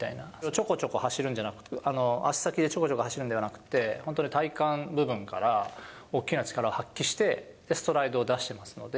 ちょこちょこ走るんじゃなくて、足先でちょこちょこ走るんではなくて、本当に体幹部分から大きな力を発揮して、ストライドを出してますので。